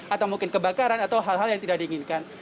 atau mungkin kebakaran atau hal hal yang tidak diinginkan